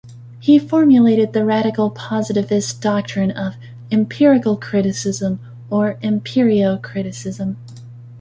He formulated the radical positivist doctrine of "empirical criticism" or empirio-criticism.